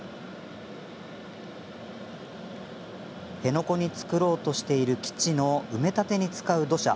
辺野古に造ろうとしている基地の埋め立てに使う土砂。